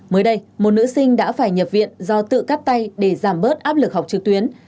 mới đây một nữ sinh đã phải nhập viện do tự cắt tay để giảm bớt áp lực học trực tuyến